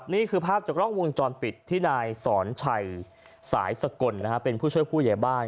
นี่คือภาพจากกล้องวงจรปิดที่นายสอนชัยสายสกลเป็นผู้ช่วยผู้ใหญ่บ้าน